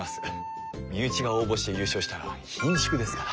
身内が応募して優勝したらひんしゅくですから。